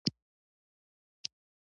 لاسونه يې ولړزېدل.